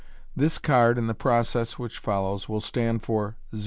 This card, in the process which follows, will stand for o.